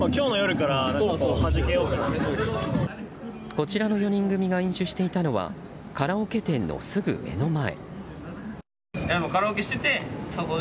こちらの４人組が飲酒していたのはカラオケ店のすぐ目の前。